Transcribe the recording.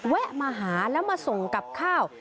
แวะมาหาแล้วมาส่งกับข้าว